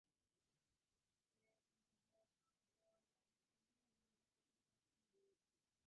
އޭގެ ތެރޭގައި އައްރަފީޤު ގެ އަދަދުތަކާއި އަލްއިޞްލާހު ގެ އަދަދުތައް ވެސް ހިމެނެ